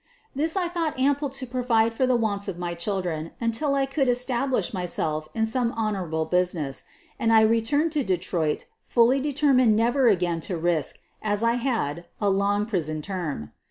This I thought ample to provide for the wants of my children until 1 could establish myself in some honorable busi ness, and I returned to Detroit fully determined never again to risk, as I had, a long prison term.